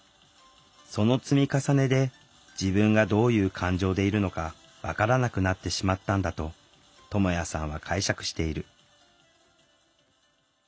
その積み重ねで自分がどういう感情でいるのか分からなくなってしまったんだとともやさんは解釈している。